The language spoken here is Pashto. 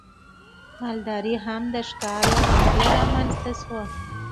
مالداري هم د ښکار له امله رامنځته شوه.